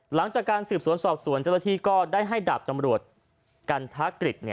หลังจากการสืบสวนสอบสวนเจ้าหน้าที่ก็ได้ให้ดาบตำรวจกันทกฤษ